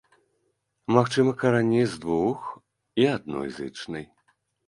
Магчымы карані з двух і адной зычнай.